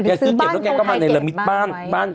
ซื้อเก็บแล้วแกก็มาในละมิตบ้าน